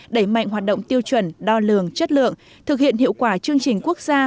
đẩy mạnh hoạt động tiêu chuẩn đo lường chất lượng thực hiện hiệu quả chương trình quốc gia